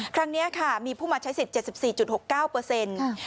ครั้งเนี้ยค่ะมีผู้มาใช้สิทธิ์เจ็ดสิบสี่จุดหกเก้าเปอร์เซ็นต์ค่ะ